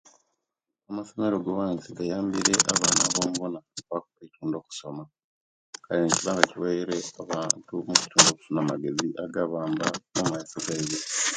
Amasomero gansi gayambile abaana aba'kubitundu okusoma ekyo nikiba nga kiwaile abantu omugisa gwo'kufuna amagezi agababwamba omaiso gabwe